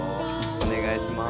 お願いします